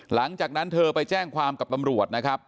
หลังจากนั้นเธอไปแจ้งความกับตำรวจนะครับ